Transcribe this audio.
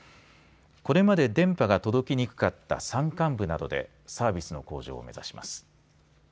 これまで電波が届きにくかった山間部などでサービスの向上を目指します。